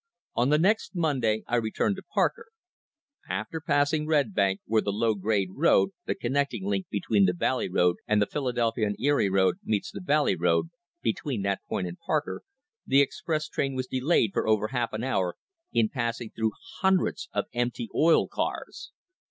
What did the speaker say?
On the next Monday I returned to Parker. After passing Redbank, where the low grade road, the connecting link between the Valley Road and the Philadelphia and Erie Road, meets the Valley Road — between that point and Parker — the express train was delayed for over half an hour in passing through hundreds of empty oil cars."